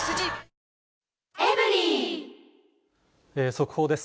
速報です。